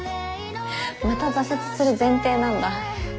また挫折する前提なんだ。